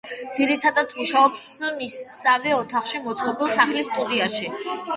ძირითადად, მუშაობს მისსავე ოთახში მოწყობილ სახლის სტუდიაში.